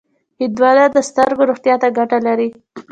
هندوانه د سترګو روغتیا ته ګټه لري.